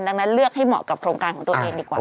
ดังนั้นเลือกให้เหมาะกับโครงการของตัวเองดีกว่า